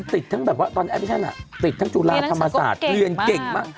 ติดทั้งแบบว่าตอนแอปพลิเคชันติดทั้งจุฬาธรรมศาสตร์เรียนเก่งมาก